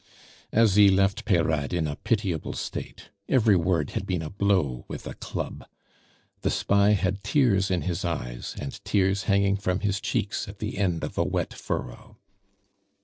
Asie left Peyrade in a pitiable state; every word had been a blow with a club. The spy had tears in his eyes, and tears hanging from his cheeks at the end of a wet furrow.